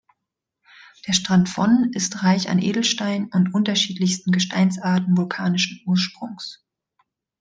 Der Strand von ist reich an Edelsteinen und unterschiedlichsten Gesteinsarten vulkanischen Ursprungs.